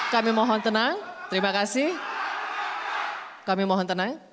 kami mohon tenang terima kasih kami mohon tenang